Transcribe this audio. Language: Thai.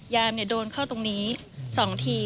ยามโดนเข้าตรงนี้๒ที